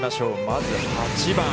まず８番。